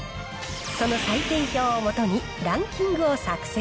その採点表を基に、ランキングを作成。